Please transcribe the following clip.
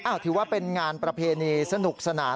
ถือว่าเป็นงานประเพณีสนุกสนาน